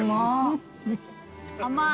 甘い。